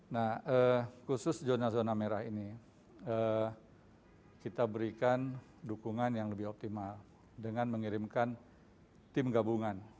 nah khusus zona zona merah ini kita berikan dukungan yang lebih optimal dengan mengirimkan tim gabungan